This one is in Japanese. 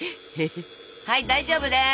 はい大丈夫です。